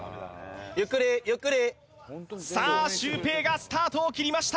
ゆっくりゆっくりさあシュウペイがスタートを切りました